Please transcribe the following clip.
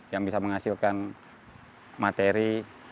yang bisa menghasilkan materi